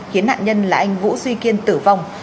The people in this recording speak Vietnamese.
khiến nạn nhân là anh vương